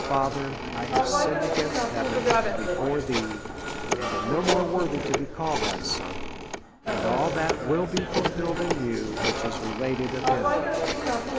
Father, I have sinned against heaven, and before thee, and am no more worthy to be called thy son :— and all that will be fulfilled in you which is re lated of him.